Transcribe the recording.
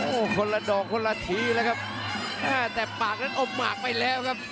โอ้คนละดองคนละทีแน่แต่ปากมันอบหมักไปแล้วครับ